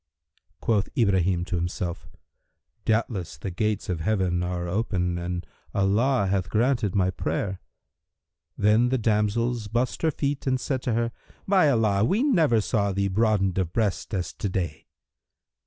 Quoth Ibrahim to himself, "Doubtless the gates of Heaven are open[FN#324] and Allah hath granted my prayer." Then the damsels bussed her feet and said to her, "By Allah, we never saw thee broadened of breast as to day!"